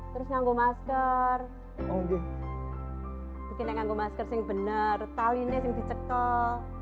terus nganggu masker mungkin yang nganggu masker sing bener tali nes yang dicek toh